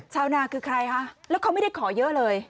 ชาวนาคือใครคะแล้วเขาไม่ได้ขอเยอะเลย